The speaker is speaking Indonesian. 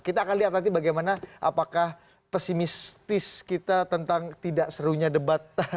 kita akan lihat nanti bagaimana apakah pesimistis kita tentang tidak serunya debat